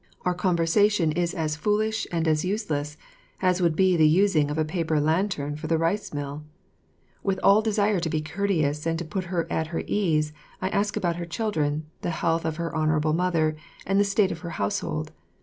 Our conversation is as foolish and as useless as would be the using of a paper lantern for the rice mill. With all desire to be courteous and to put her at her ease, I ask about her children, the health of her honourable mother, and the state of her household.